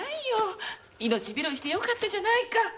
命拾いしてよかったじゃないか！